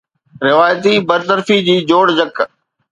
روايتي برطرفي جي جوڙجڪ